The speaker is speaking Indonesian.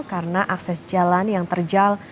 karena akses jalan yang terjal